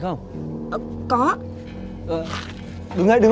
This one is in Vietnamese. đi đi đi đi đi